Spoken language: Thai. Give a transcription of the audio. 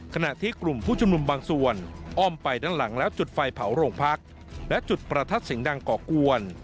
ขณะที่กลุ่มผู้ชุมนุมบางส่วนอ้อมไปด้านหลังแล้วจุดไฟเผาโรงพักและจุดประทัดเสียงดังก่อกวน